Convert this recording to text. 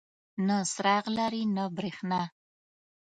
نه څراغ لري نه بریښنا.